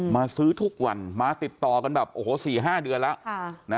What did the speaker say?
มาซื้อทุกวันมาติดต่อกันแบบโอ้โห๔๕เดือนแล้ว